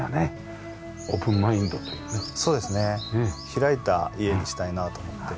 開いた家にしたいなと思って。